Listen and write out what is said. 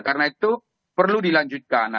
karena itu perlu dilanjutkan